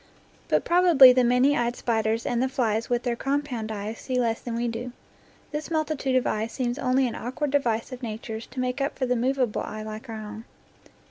But probably the many eyed spiders and the flies with their compound eyes see less than we do. This multitude of eyes seems only an awkward device of Nature's to make up for the movable eye like our own.